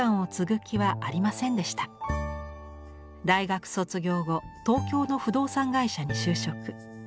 大学卒業後東京の不動産会社に就職。